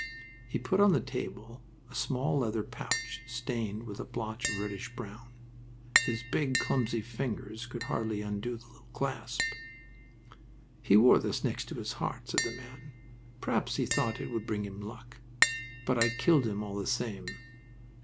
He put on the table a small leather pouch stained with a blotch of reddish brown. His big, clumsy fingers could hardly undo the little clasp. "He wore this next his heart," said the man. "Perhaps he thought it would bring him luck. But I killed him all the same!